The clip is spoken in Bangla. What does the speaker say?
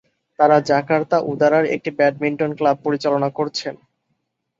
তারা জাকার্তা উদারায় একটি ব্যাডমিন্টন ক্লাব পরিচালনা করছেন।